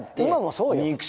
今もそうよ。